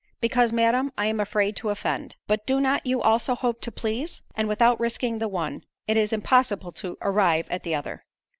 "Because, Madam, I am afraid to offend." "But do not you also hope to please? and without risking the one, it is impossible to arrive at the other."